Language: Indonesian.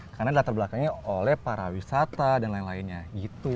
karena data belakangnya oleh para wisata dan lain lainnya gitu